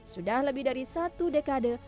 sudah lebih dari satu dekade